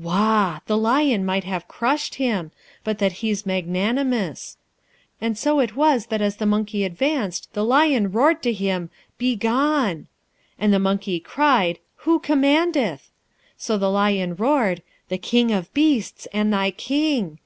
Wah! the lion might have crushed him, but that he's magnanimous. And so it was that as the monkey advanced the lion roared to him, "Begone!" 'And the monkey cried, "Who commandeth?" 'So the lion roared, "The King of beasts and thy King!"